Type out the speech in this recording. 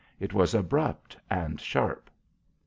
It was abrupt and sharp.